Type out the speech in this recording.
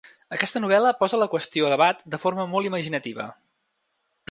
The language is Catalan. Aquesta novel·la posa la qüestió a debat de forma molt imaginativa.